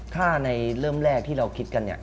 ถ้าในเริ่มแรกที่เราคิดกันเนี่ย